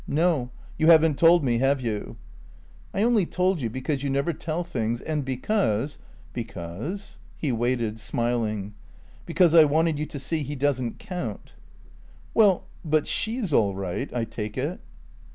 "No. You haven't told me, have you?" "I only told you because you never tell things, and because " "Because?" He waited, smiling. "Because I wanted you to see he doesn't count." "Well but she's all right, I take it?"